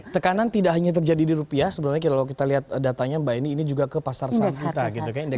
tekanan tidak hanya terjadi di rupiah sebenarnya kalau kita lihat datanya mbak ini juga ke pasar saham kita gitu kan